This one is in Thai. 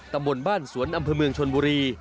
ตำบลบ้านสวนอำเภอเมืองชนบุรี